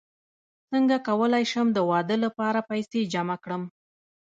څنګه کولی شم د واده لپاره پیسې جمع کړم